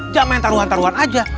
jangan taruhan taruhan aja